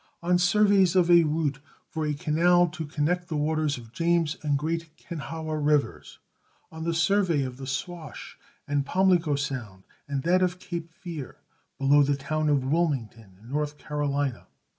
On surveys of a route for a canal to connect the waters of James and Great Kenhawa rivers. On the survey of the Swash, in Pamlico Sound, and that of Cape Fear, below the town of Wilmington, in North Carolina.